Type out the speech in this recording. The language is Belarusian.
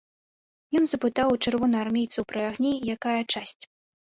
Ён запытаў у чырвонаармейцаў пры агні, якая часць.